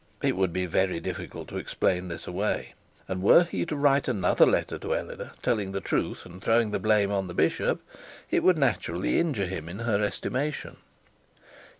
It would be very difficult to explain this away; and were he to write another letter to Eleanor, telling the truth and throwing the blame on the bishop, it would naturally injure him in her estimation.